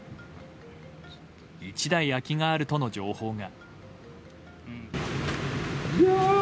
１台空きがあるとの情報が。